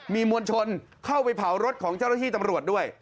มีมวลชนเข้าไปเผารถของเจ้าหน้าที่ตำรวจด้วย